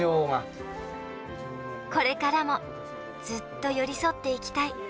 これからも、ずっと寄り添っていきたい。